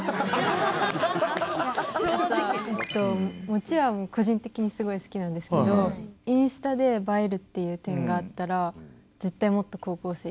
もちは個人的にすごい好きなんですけどインスタで映えるっていう点があったら絶対もっと高校生行くと思います。